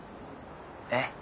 えっ？